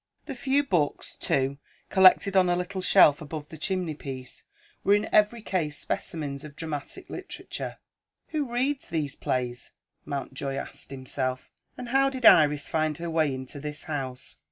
The few books, too, collected on a little shelf above the chimney piece, were in every case specimens of dramatic literature. "Who reads these plays?" Mountjoy asked himself. "And how did Iris find her way into this house?"